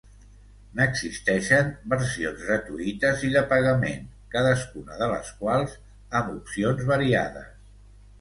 N'existeixen versions gratuïtes i de pagament, cadascuna de les quals amb opcions variades.